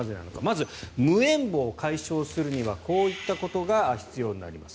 まず、無縁墓を解消するにはこういったことが必要になります。